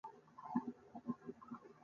د اوسټیوارتریتس د بندونو خرابېدل دي.